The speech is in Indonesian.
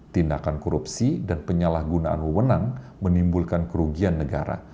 tindakan korupsi dan penyalahgunaan wewenang menimbulkan kerugian negara